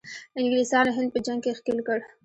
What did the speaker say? انګلیسانو هند په جنګ کې ښکیل کړ.